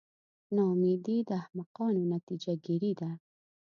نا امیدي د احمقانو نتیجه ګیري ده.